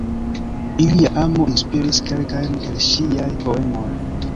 Ilia amo inspiris kelkajn el ŝiaj poemoj.